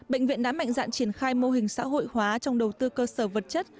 bệnh viện đã mạnh dạn triển khai mô hình xã hội hóa trong đầu tư cơ sở vật chất